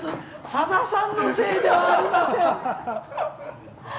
さださんのせいではありません」。